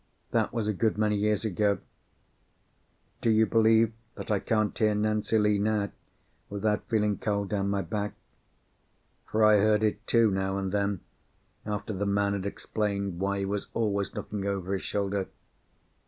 That was a good many years ago. Do you believe that I can't hear "Nancy Lee" now, without feeling cold down my back? For I heard it, too, now and then, after the man had explained why he was always looking over his shoulder.